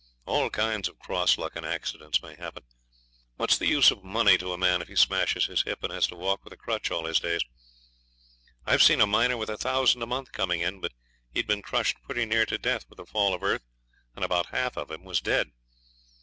All kinds of cross luck and accidents may happen. What's the use of money to a man if he smashes his hip and has to walk with a crutch all his days? I've seen a miner with a thousand a month coming in, but he'd been crushed pretty near to death with a fall of earth, and about half of him was dead.